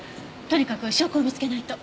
とにかく証拠を見つけないと。